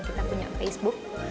kita punya facebook